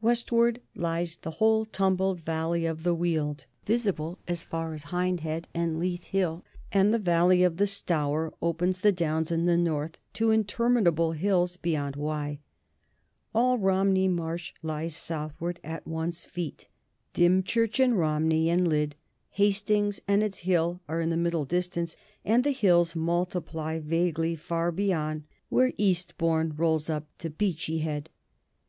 Westward lies the whole tumbled valley of the Weald, visible as far as Hindhead and Leith Hill, and the valley of the Stour opens the Downs in the north to interminable hills beyond Wye. All Romney Marsh lies southward at one's feet, Dymchurch and Romney and Lydd, Hastings and its hill are in the middle distance, and the hills multiply vaguely far beyond where Eastbourne rolls up to Beachy Head.